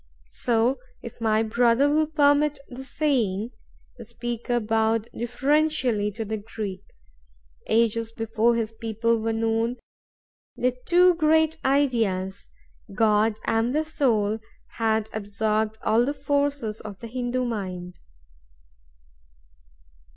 So, if my brother will permit the saying"—the speaker bowed deferentially to the Greek—"ages before his people were known, the two great ideas, God and the Soul, had absorbed all the forces of the Hindoo mind.